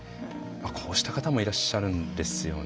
こうした方もいらっしゃるんですよね。